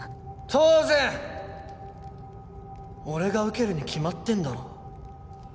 当然俺が受けるに決まってんだろ。